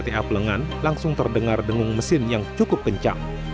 di rumah plta plengan langsung terdengar dengung mesin yang cukup kencang